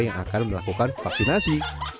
yang akan melakukan vaksinasi